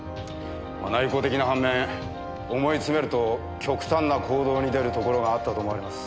内向的な反面思いつめると極端な行動に出るところがあったと思われます。